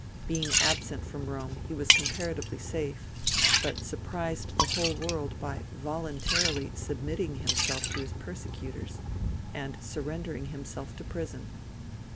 Being absent from Rome he was comparatively safe, but surprised the whole world by voluntarily submitting himself to his persecutors, and surrendering himself to prison.